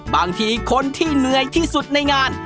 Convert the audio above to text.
บางทีคนที่เหนื่อยที่สุดในงาน